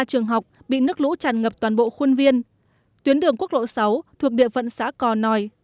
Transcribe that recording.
ba trường học bị nước lũ tràn ngập toàn bộ khuôn viên tuyến đường quốc lộ sáu thuộc địa phận xã cò nòi